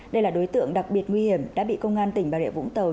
đây là đối tượng đặc biệt nguy hiểm đã bị công an tỉnh bà rịa vũng tàu